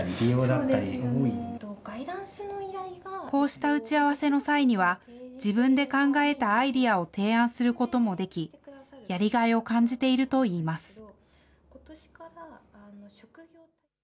こうした打ち合わせの際には、自分で考えたアイデアを提案することもでき、やりがいを感じているといいます。